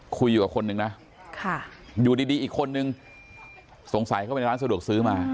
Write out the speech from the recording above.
คุยอยู่กับคนหนึ่งค่ะอยู่ดีดีอีกคนหนึ่งสงสัยเข้าไปร้านสะดวกซื้อมา